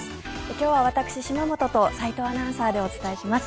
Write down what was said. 今日は私、島本と斎藤アナウンサーでお伝えします。